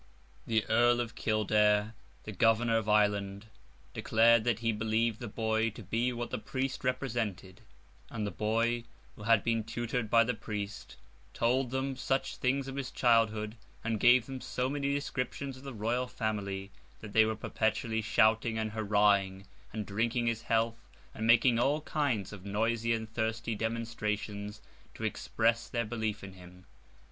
The Earl of Kildare, the governor of Ireland, declared that he believed the boy to be what the priest represented; and the boy, who had been well tutored by the priest, told them such things of his childhood, and gave them so many descriptions of the Royal Family, that they were perpetually shouting and hurrahing, and drinking his health, and making all kinds of noisy and thirsty demonstrations, to express their belief in him.